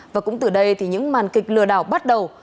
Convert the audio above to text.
và cũng từ đây thì những màn kịch lừa đảo bắt đầu